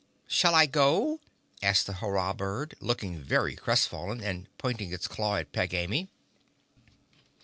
"Shall I go?" asked the Hurrah Bird, looking very crestfallen and pointing its claw at Peg Amy.